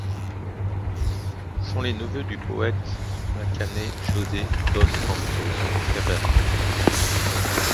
Ils sont les neveux du poète macanais José dos Santos Ferreira.